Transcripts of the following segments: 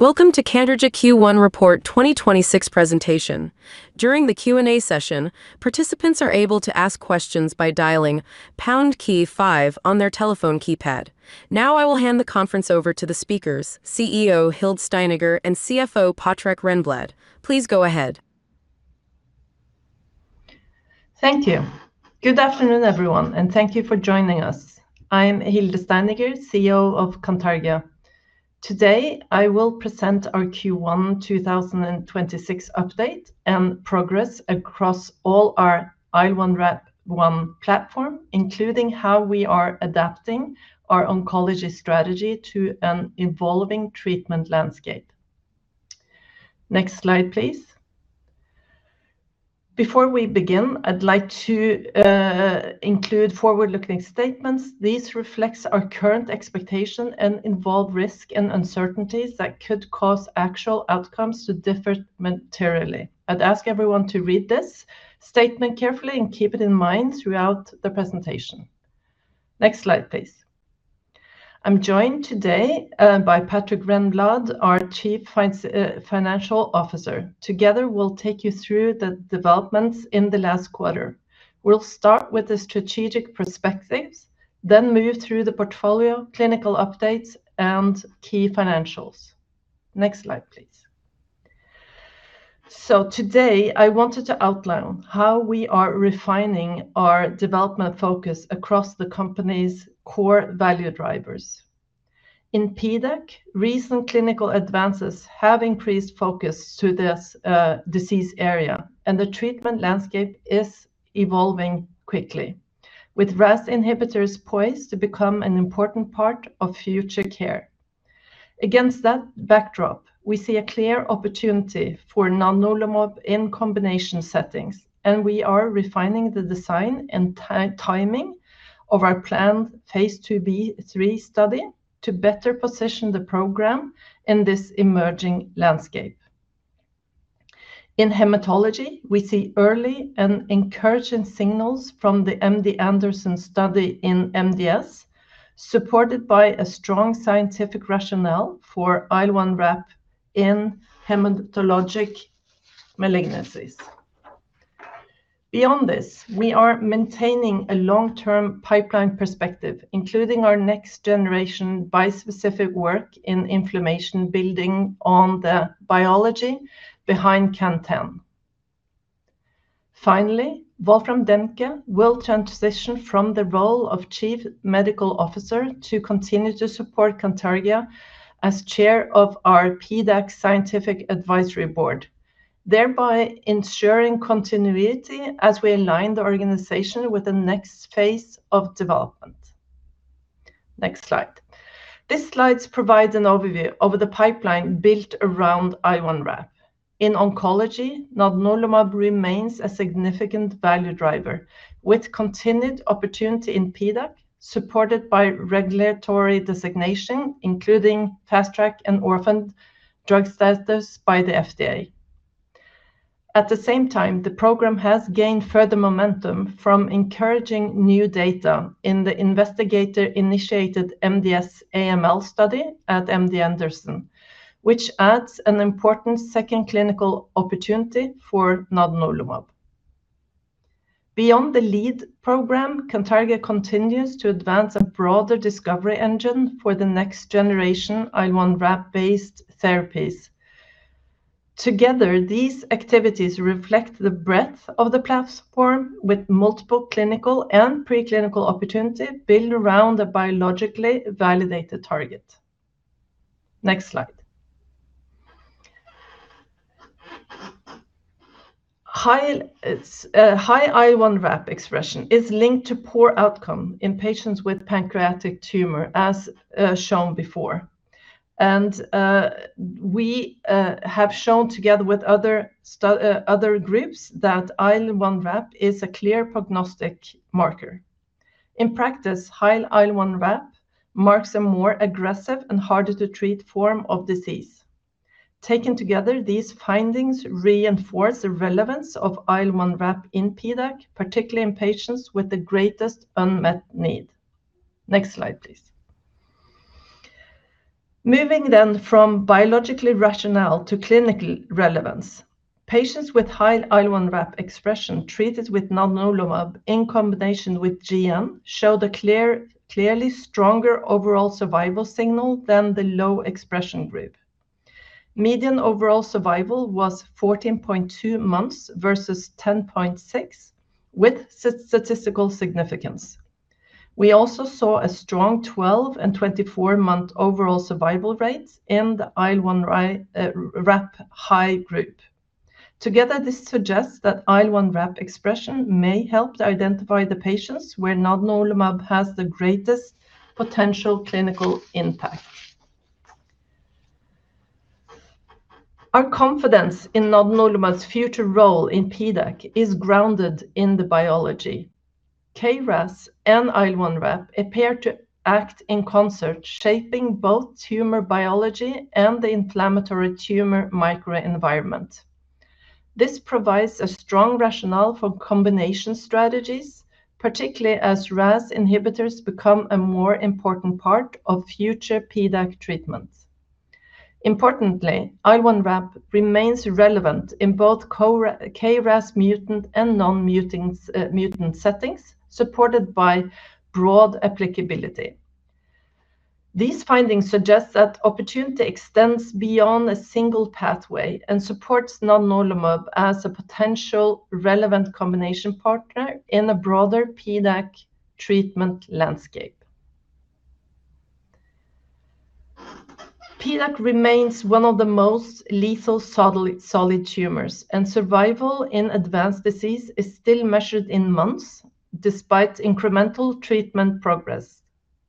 Welcome to Cantargia Q1 Report 2026 presentation. During the Q&A session, participants are able to ask questions by dialing pound key five on their telephone keypad. Now I will hand the conference over to the speakers, CEO Hilde Steineger and CFO Patrik Renblad. Please go ahead. Thank you. Good afternoon, everyone, and thank you for joining us. I am Hilde Steineger, CEO of Cantargia. Today, I will present our Q1 2026 update and progress across all our IL1RAP platform, including how we are adapting our oncology strategy to an evolving treatment landscape. Next slide, please. Before we begin, I'd like to include forward-looking statements. These reflects our current expectation and involve risk and uncertainties that could cause actual outcomes to differ materially. I'd ask everyone to read this statement carefully and keep it in mind throughout the presentation. Next slide, please. I'm joined today by Patrik Renblad, our Chief Financial Officer. Together, we'll take you through the developments in the last quarter. We'll start with the strategic perspectives, then move through the portfolio, clinical updates, and key financials. Next slide, please. Today, I wanted to outline how we are refining our development focus across the company's core value drivers. In PDAC, recent clinical advances have increased focus to this disease area, and the treatment landscape is evolving quickly, with RAS inhibitors poised to become an important part of future care. Against that backdrop, we see a clear opportunity for nadunolimab in combination settings, and we are refining the design and timing of our planned phase II-B/III study to better position the program in this emerging landscape. In hematology, we see early and encouraging signals from the MD Anderson study in MDS, supported by a strong scientific rationale for IL1RAP in hematologic malignancies. Beyond this, we are maintaining a long-term pipeline perspective, including our next-generation bispecific work in inflammation, building on the biology behind CAN10. Finally, Wolfram Dempke will transition from the role of Chief Medical Officer to continue to support Cantargia as Chair of our PDAC Scientific Advisory Board, thereby ensuring continuity as we align the organization with the next phase of development. Next slide. This slide provides an overview of the pipeline built around IL1RAP. In oncology, nadunolimab remains a significant value driver with continued opportunity in PDAC, supported by regulatory designation, including Fast Track and Orphan Drug status by the FDA. At the same time, the program has gained further momentum from encouraging new data in the investigator-initiated MDS AML study at MD Anderson, which adds an important second clinical opportunity for nadunolimab. Beyond the lead program, Cantargia continues to advance a broader discovery engine for the next generation IL1RAP-based therapies. Together, these activities reflect the breadth of the platform with multiple clinical and preclinical opportunity built around a biologically validated target. Next slide. High IL1RAP expression is linked to poor outcome in patients with pancreatic tumor, as shown before. We have shown together with other groups that IL1RAP is a clear prognostic marker. In practice, high IL1RAP marks a more aggressive and harder to treat form of disease. Taken together, these findings reinforce the relevance of IL1RAP in PDAC, particularly in patients with the greatest unmet need. Next slide, please. Moving from biologically rationale to clinical relevance. Patients with high IL1RAP expression treated with nadunolimab in combination with GN show the clearly stronger overall survival signal than the low expression group. Median overall survival was 14.2 months versus 10.6, with statistical significance. We also saw a strong 12 and 24-month overall survival rates in the IL1RAP high group. Together, this suggests that IL1RAP expression may help to identify the patients where nadunolimab has the greatest potential clinical impact. Our confidence in nadunolimab's future role in PDAC is grounded in the biology. KRAS and IL1RAP appear to act in concert, shaping both tumor biology and the inflammatory tumor microenvironment. This provides a strong rationale for combination strategies, particularly as RAS inhibitors become a more important part of future PDAC treatments. IL1RAP remains relevant in both KRAS mutant and non-mutant settings supported by broad applicability. These findings suggest that opportunity extends beyond a single pathway and supports nadunolimab as a potential relevant combination partner in a broader PDAC treatment landscape. PDAC remains one of the most lethal solid tumors, survival in advanced disease is still measured in months despite incremental treatment progress.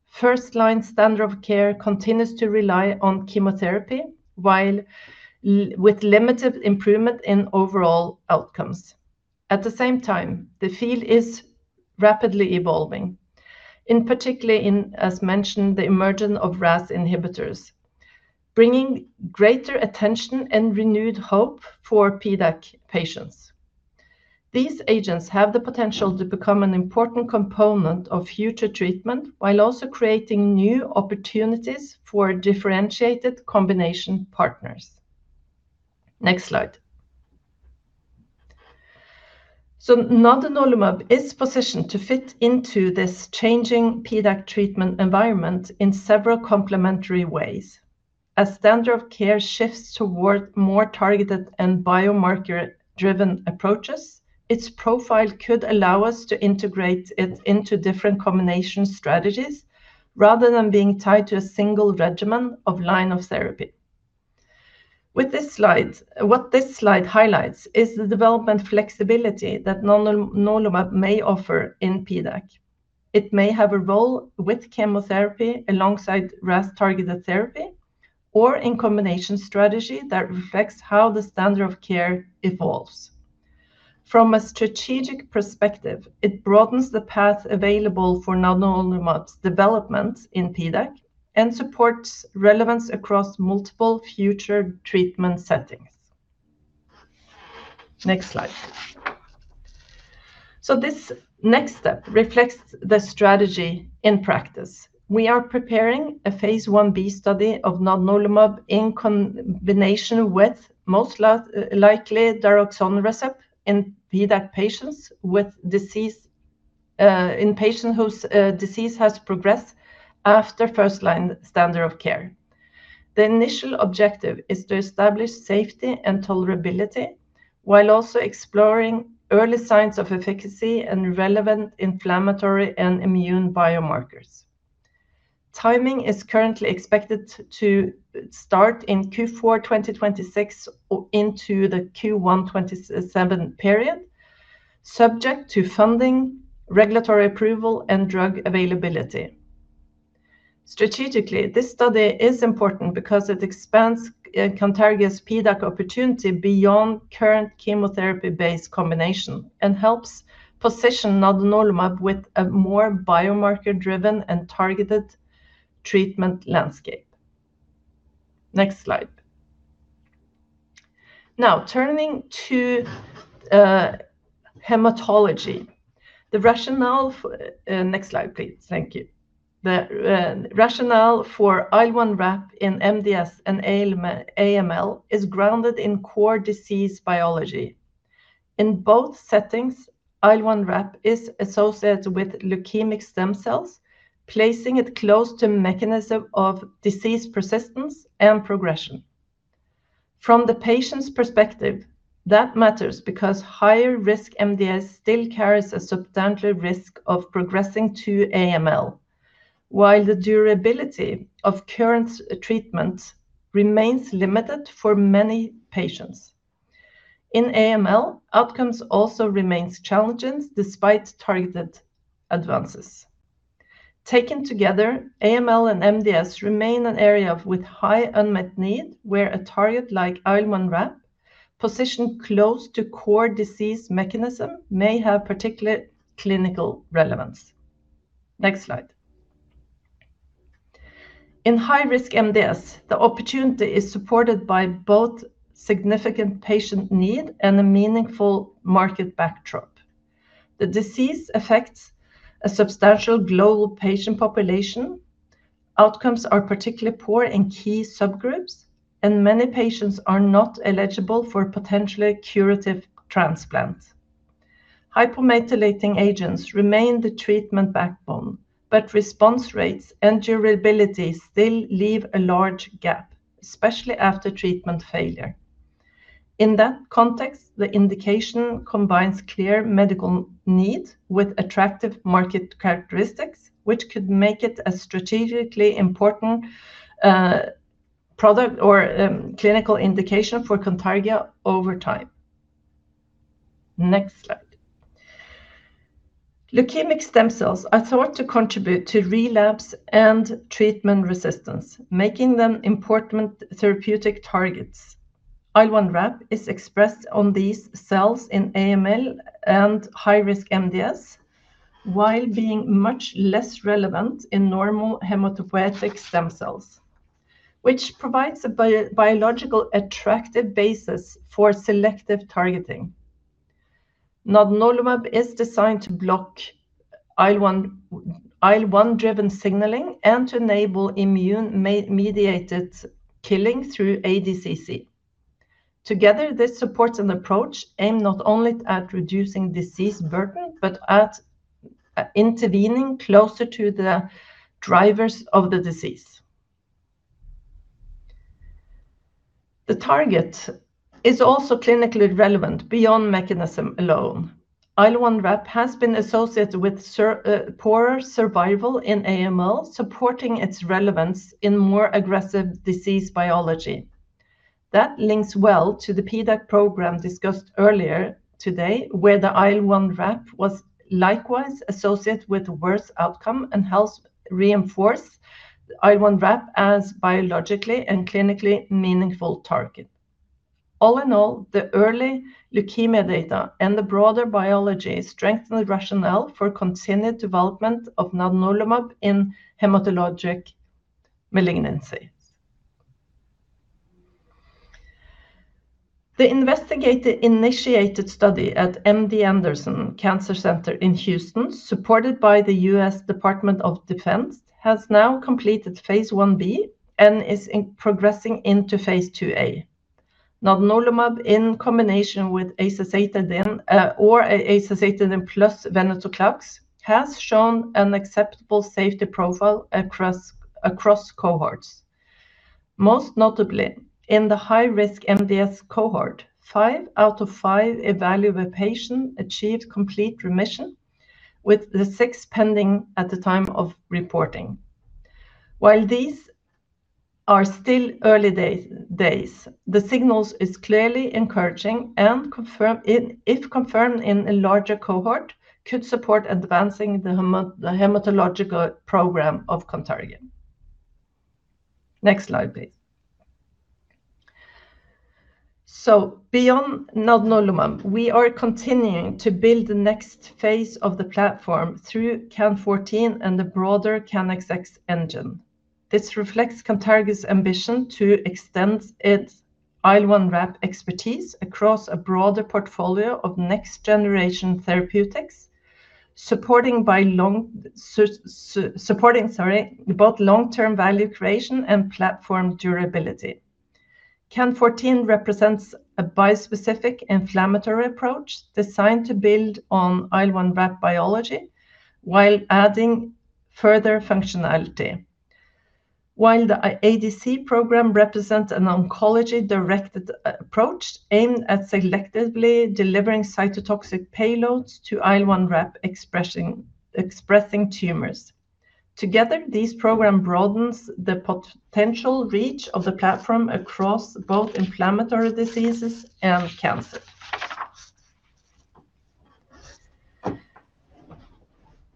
First line standard of care continues to rely on chemotherapy with limited improvement in overall outcomes. At the same time, the field is rapidly evolving. In particularly, as mentioned, the emergence of RAS inhibitors, bringing greater attention and renewed hope for PDAC patients. These agents have the potential to become an important component of future treatment while also creating new opportunities for differentiated combination partners. Next slide. Nadunolimab is positioned to fit into this changing PDAC treatment environment in several complementary ways. As standard of care shifts toward more targeted and biomarker-driven approaches, its profile could allow us to integrate it into different combination strategies rather than being tied to a single regimen of line of therapy. What this slide highlights is the development flexibility that nadunolimab may offer in PDAC. It may have a role with chemotherapy alongside RAS-targeted therapy or in combination strategy that reflects how the standard of care evolves. From a strategic perspective, it broadens the path available for nadunolimab's development in PDAC and supports relevance across multiple future treatment settings. Next slide. This next step reflects the strategy in practice. We are preparing a phase I-B study of nadunolimab in combination with most likely doratinisib in PDAC patients with disease, in patients whose disease has progressed after first-line standard of care. The initial objective is to establish safety and tolerability while also exploring early signs of efficacy and relevant inflammatory and immune biomarkers. Timing is currently expected to start in Q4 2026 or into the Q1 2027 period, subject to funding, regulatory approval and drug availability. Strategically, this study is important because it expands Cantargia's PDAC opportunity beyond current chemotherapy-based combination and helps position nadunolimab with a more biomarker-driven and targeted treatment landscape. Next slide. Now, turning to hematology. The rationale. Next slide, please. Thank you. The rationale for IL1RAP in MDS and AML is grounded in core disease biology. In both settings, IL1RAP is associated with leukemic stem cells, placing it close to mechanism of disease persistence and progression. From the patient's perspective, that matters because higher risk MDS still carries a substantial risk of progressing to AML, while the durability of current treatment remains limited for many patients. In AML, outcomes also remains challenging despite targeted advances. Taken together, AML and MDS remain an area with high unmet need where a target like IL1RAP, positioned close to core disease mechanism, may have particular clinical relevance. Next slide. In high-risk MDS, the opportunity is supported by both significant patient need and a meaningful market backdrop. The disease affects a substantial global patient population. Outcomes are particularly poor in key subgroups, and many patients are not eligible for potentially curative transplant. Hypomethylating agents remain the treatment backbone, but response rates and durability still leave a large gap, especially after treatment failure. In that context, the indication combines clear medical need with attractive market characteristics, which could make it a strategically important product or clinical indication for Cantargia over time. Next slide. Leukemic stem cells are thought to contribute to relapse and treatment resistance, making them important therapeutic targets. IL1RAP is expressed on these cells in AML and high-risk MDS. While being much less relevant in normal hematopoietic stem cells, which provides a biological attractive basis for selective targeting. Nadunolimab is designed to block IL1RAP-driven signaling and to enable immune-mediated killing through ADCC. Together, this supports an approach aimed not only at reducing disease burden, but at intervening closer to the drivers of the disease. The target is also clinically relevant beyond mechanism alone. IL1RAP has been associated with poor survival in AML, supporting its relevance in more aggressive disease biology. That links well to the PDAC program discussed earlier today, where the IL1RAP was likewise associated with worse outcome and helps reinforce IL1RAP as biologically and clinically meaningful target. All in all, the early leukemia data and the broader biology strengthen the rationale for continued development of nadunolimab in hematologic malignancies. The investigator-initiated study at MD Anderson Cancer Center in Houston, supported by the U.S. Department of Defense, has now completed phase I-B and is progressing into phase II-A. Nadunolimab in combination with azacitidine or azacitidine plus venetoclax has shown an acceptable safety profile across cohorts. Most notably in the high-risk MDS cohort, five out of five evaluable patient achieved complete remission, with the six pending at the time of reporting. While these are still early days, the signals is clearly encouraging and if confirmed in a larger cohort could support advancing the hematological program of Cantargia. Next slide, please. Beyond nadunolimab, we are continuing to build the next phase of the platform through CAN14 and the broader CANxx engine. This reflects Cantargia's ambition to extend its IL1RAP expertise across a broader portfolio of next-generation therapeutics, supporting both long-term value creation and platform durability. CAN14 represents a bispecific inflammatory approach designed to build on IL1RAP biology while adding further functionality. While the ADC program represents an oncology-directed approach aimed at selectively delivering cytotoxic payloads to IL1RAP expressing tumors. Together, this program broadens the potential reach of the platform across both inflammatory diseases and cancer.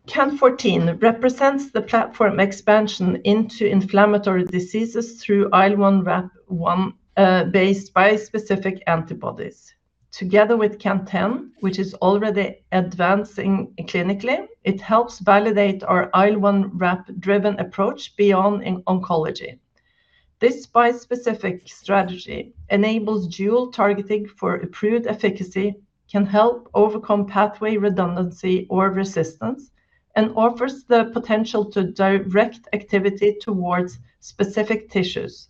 CAN14 represents the platform expansion into inflammatory diseases through IL1RAP based bispecific antibodies. Together with CAN10, which is already advancing clinically, it helps validate our IL1RAP-driven approach beyond in oncology. This bispecific strategy enables dual targeting for improved efficacy, can help overcome pathway redundancy or resistance, and offers the potential to direct activity towards specific tissues.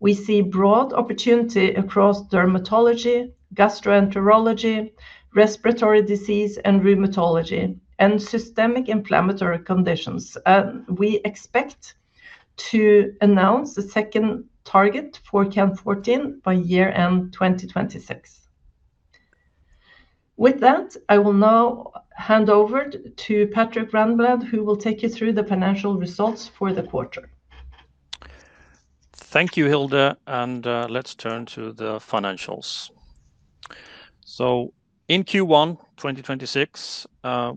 We see broad opportunity across dermatology, gastroenterology, respiratory disease, and rheumatology, and systemic inflammatory conditions. We expect to announce the second target for CAN14 by year-end 2026. With that, I will now hand over to Patrik Renblad, who will take you through the financial results for the quarter. Thank you, Hilde. Let's turn to the financials. In Q1 2026,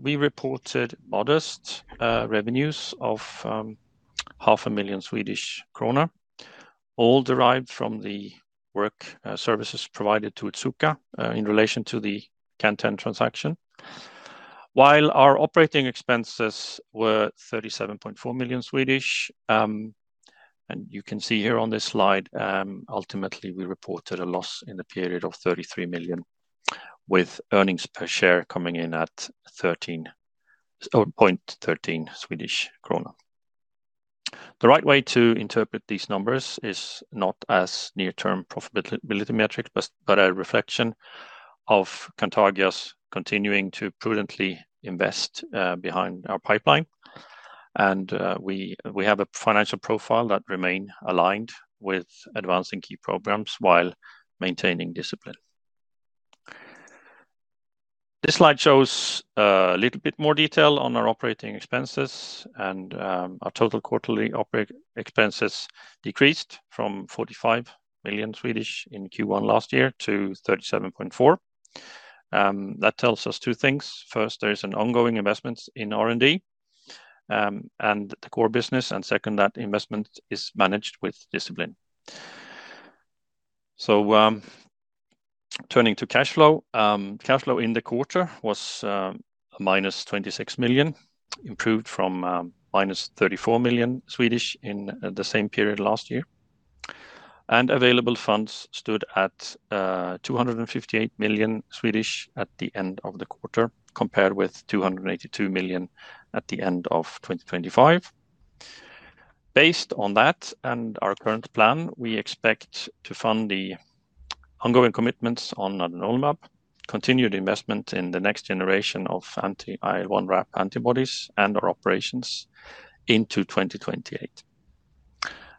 we reported modest revenues of 500,000 Swedish krona all derived from the work services provided to Otsuka in relation to the CAN10 transaction. While our operating expenses were 37.4 million, you can see here on this slide, ultimately, we reported a loss in the period of 33 million, with earnings per share coming in at 0.13 Swedish krona. The right way to interpret these numbers is not as near-term profitability metrics, but a reflection of Cantargia's continuing to prudently invest behind our pipeline. We have a financial profile that remain aligned with advancing key programs while maintaining discipline. This slide shows a little bit more detail on our operating expenses and our total quarterly operating expenses decreased from 45 million in Q1 last year to 37.4 million. That tells us two things. First, there is an ongoing investment in R&D and the core business, and second, that investment is managed with discipline. Turning to cash flow. Cash flow in the quarter was -26 million, improved from -34 million in the same period last year. Available funds stood at 258 million at the end of the quarter, compared with 282 million at the end of 2025. Based on that and our current plan, we expect to fund the ongoing commitments on nadunolimab, continued investment in the next generation of anti-IL1RAP antibodies and our operations into 2028.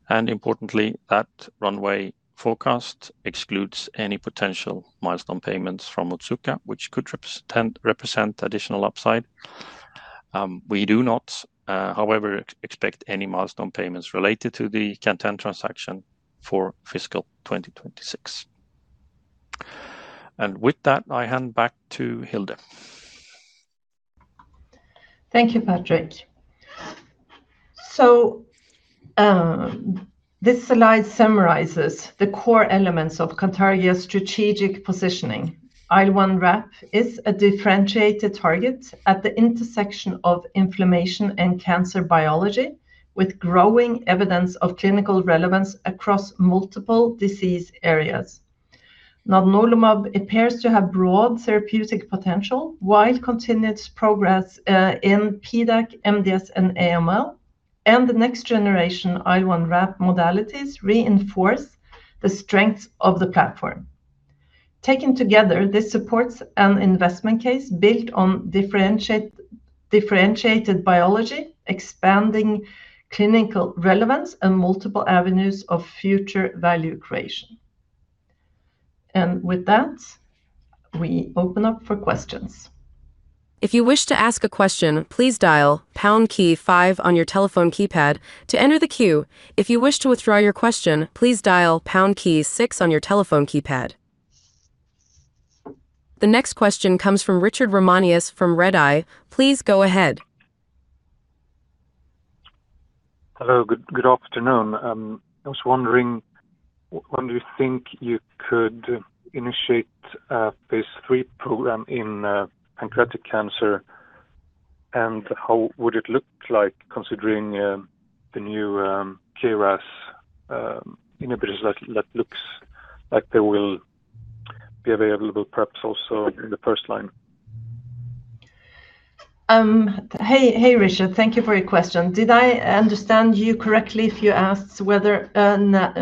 Importantly, that runway forecast excludes any potential milestone payments from Otsuka, which could represent additional upside. We do not, however, expect any milestone payments related to the Cantargia transaction for FY 2026. With that, I hand back to Hilde. Thank you, Patrik. This slide summarizes the core elements of Cantargia's strategic positioning. IL1RAP is a differentiated target at the intersection of inflammation and cancer biology, with growing evidence of clinical relevance across multiple disease areas. nadunolimab appears to have broad therapeutic potential, while continued progress in PDAC, MDS, and AML, and the next generation IL1RAP modalities reinforce the strength of the platform. Taken together, this supports an investment case built on differentiated biology, expanding clinical relevance, and multiple avenues of future value creation. With that, we open up for questions. The next question comes from Richard Ramanius from Redeye. Please go ahead. Hello. Good afternoon. I was wondering when do you think you could initiate a phase III program in pancreatic cancer, and how would it look like considering the new KRAS inhibitors that looks like they will be available perhaps also in the first line? Hey, hey, Richard. Thank you for your question. Did I understand you correctly if you asked whether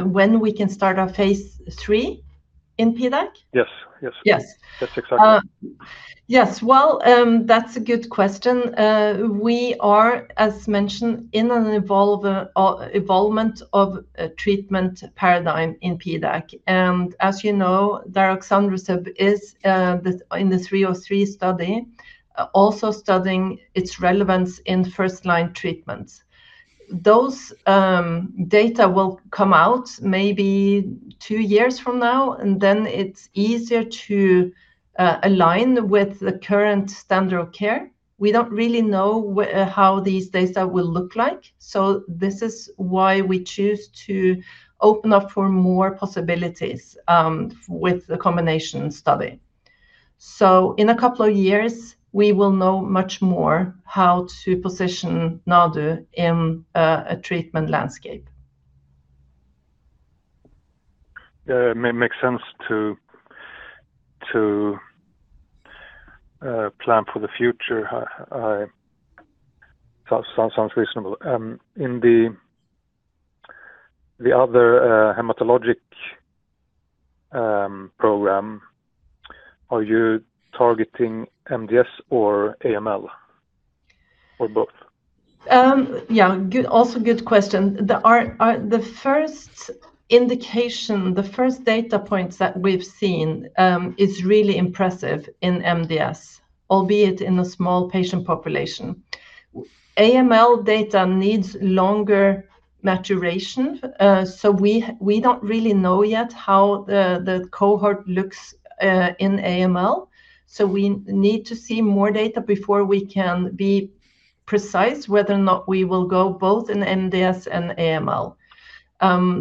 when we can start our phase III in PDAC? Yes. Yes. Yes. Yes, exactly. Yes. Well, that's a good question. We are, as mentioned, in an evolvement of a treatment paradigm in PDAC. As you know, divarasib is in the 303 study, also studying its relevance in first-line treatments. Those data will come out maybe two years from now, then it's easier to align with the current standard of care. We don't really know how these data will look like, this is why we choose to open up for more possibilities with the combination study. In a couple of years, we will know much more how to position Nadu in a treatment landscape. Yeah. Makes sense to plan for the future. Sounds reasonable. In the other hematologic program, are you targeting MDS or AML or both? Yeah. Good. Good question. The first indication, the first data points that we've seen, is really impressive in MDS, albeit in a small patient population. AML data needs longer maturation, we don't really know yet how the cohort looks in AML. We need to see more data before we can be precise whether or not we will go both in MDS and AML.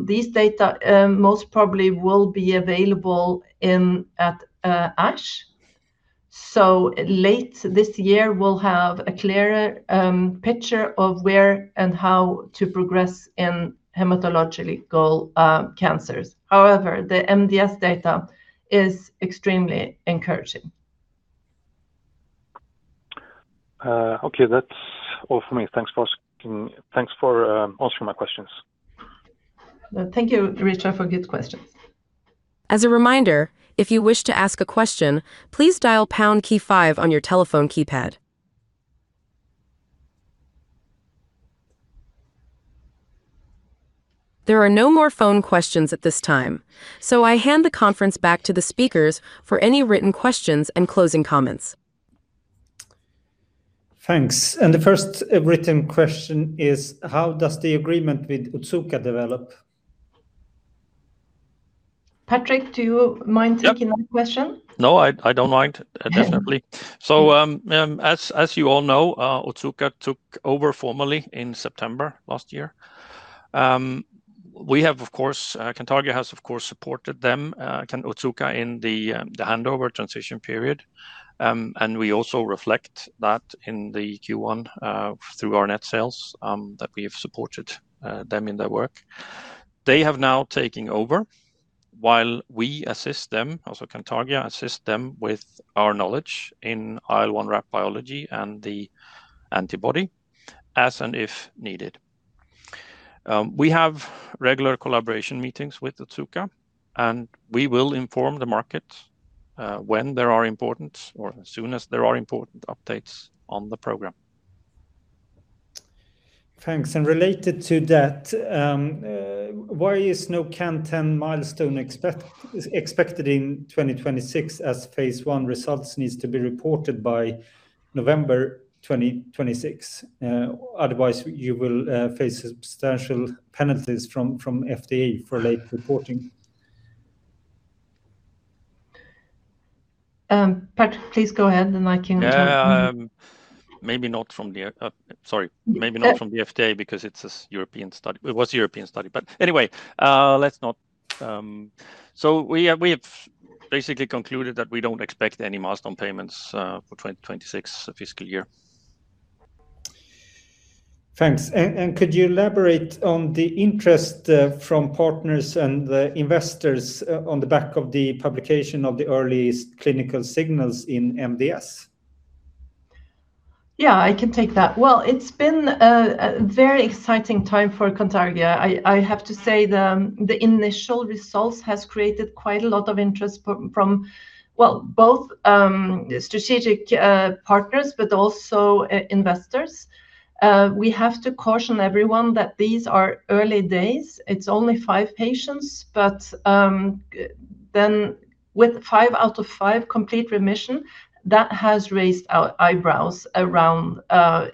These data most probably will be available at ASH. Late this year, we'll have a clearer picture of where and how to progress in hematological cancers. However, the MDS data is extremely encouraging. Okay. That's all for me. Thanks for asking. Thanks for answering my questions. Thank you, Richard, for good questions. As a reminder, if you wish to ask a question, please dial pound key five one your telephone keypad. There are no more phone questions at this time, so I hand the conference back to the speakers for any written questions and closing comments. Thanks. The first written question is, how does the agreement with Otsuka develop? Patrik, do you mind taking that question? No, I don't mind. Definitely. As you all know, Otsuka took over formally in September last year. We have, of course, Cantargia has, of course, supported them, Otsuka in the handover transition period. We also reflect that in the Q1 through our net sales that we have supported them in their work. They have now taking over while we assist them, also Cantargia assist them with our knowledge in IL1RAP biology and the antibody as and if needed. We have regular collaboration meetings with Otsuka, we will inform the market when there are important or as soon as there are important updates on the program. Thanks. Related to that, why is no CAN10 milestone expected in 2026 as phase I results needs to be reported by November 2026? Otherwise you will face substantial penalties from FDA for late reporting. Pat, please go ahead and I can interrupt. Yeah. Sorry. Maybe not. Yeah From the FDA because it's a European study. It was a European study. Anyway, let's not. We have basically concluded that we don't expect any milestone payments for FY 2026. Thanks. Could you elaborate on the interest, from partners and the investors, on the back of the publication of the early clinical signals in MDS? I can take that. It's been a very exciting time for Cantargia. I have to say the initial results has created quite a lot of interest from, well, both strategic partners but also investors. We have to caution everyone that these are early days. It's only five patients, but then with five out of five complete remission, that has raised our eyebrows around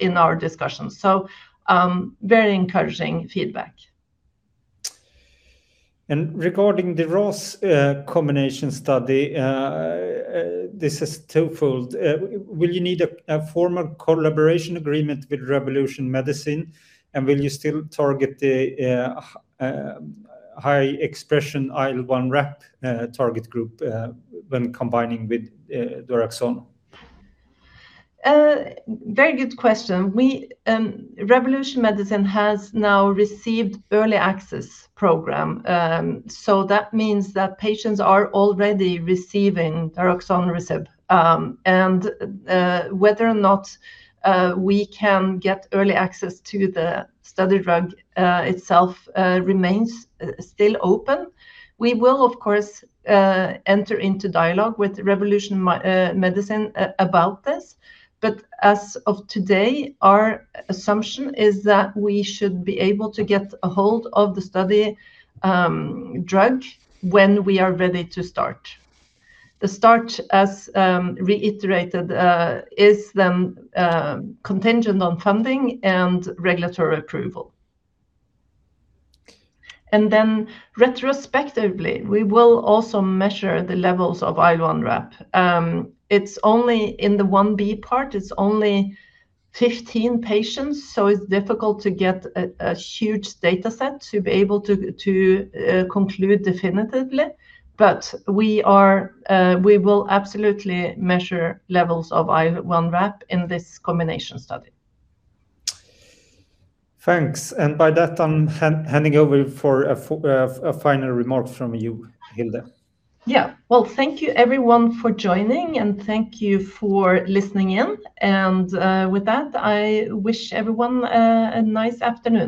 in our discussions. Very encouraging feedback. Regarding the RAS combination study, this is twofold. Will you need a formal collaboration agreement with Revolution Medicines? Will you still target the high expression IL1RAP target group when combining with divarasib? Very good question. We Revolution Medicines has now received early access program. That means that patients are already receiving divarasib. Whether or not we can get early access to the study drug itself remains still open. We will, of course, enter into dialogue with Revolution Medicines about this. As of today, our assumption is that we should be able to get a hold of the study drug when we are ready to start. The start, as reiterated, is contingent on funding and regulatory approval. Retrospectively, we will also measure the levels of IL1RAP. It's only in the phase I-B part, it's only 15 patients, so it's difficult to get a huge data set to be able to conclude definitively. We are, we will absolutely measure levels of IL1RAP in this combination study. Thanks. By that, I'm handing over for a final remark from you, Hilde. Yeah. Well, thank you everyone for joining, and thank you for listening in. With that, I wish everyone a nice afternoon.